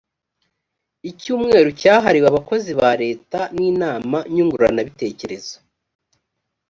icyumweru cyahariwe abakozi ba leta n inama nyunguranabitekerezo